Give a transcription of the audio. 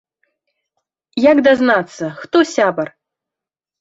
Як дазнацца, хто сябар?